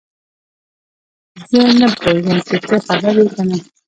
زه نه پوهیږم چې ته خبر یې که نه